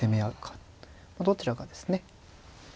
どちらかですね。